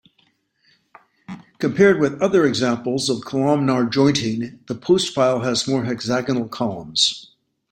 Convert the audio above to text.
Compared with other examples of columnar jointing, the Postpile has more hexagonal columns.